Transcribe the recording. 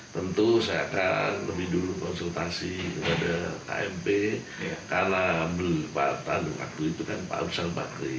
tentu saya akan lebih dulu konsultasi kepada kmp karena beli lipatan waktu itu pak ustadz bakri